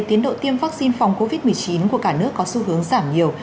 tiến độ tiêm vaccine phòng covid một mươi chín của cả nước có xu hướng giảm nhiều